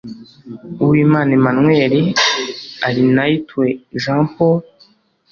Uwimana Emmanuel Arinaitwe Jean Paul